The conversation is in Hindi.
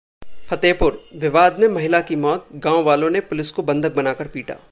फतेहपुर: विवाद में महिला की मौत, गांव वालों ने पुलिस को बंधक बनाकर पीटा